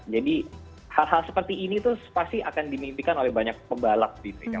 jadi hal hal seperti ini itu pasti akan dimimpikan oleh banyak pembalap gitu ya